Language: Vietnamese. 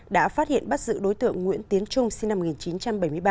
đã phát hiện bắt giữ đối tượng nguyễn tiến trung sinh năm một nghìn chín trăm bảy mươi ba